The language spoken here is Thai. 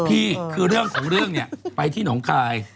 พี่คือเรื่องของเรื่องเนี่ยไปที่หนองคาย